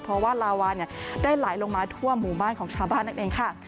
เพราะว่าลาวานได้ไหลลงมาทั่วหมู่บ้านของชาวบ้านนั่นเองค่ะ